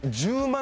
１０万